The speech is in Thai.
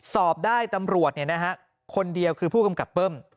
สอบได้ตำรวจคนเดียวคือผู้กำกับเบิ้ม